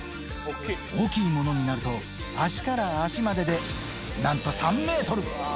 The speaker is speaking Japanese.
大きいものになると、足から足まででなんと３メートル。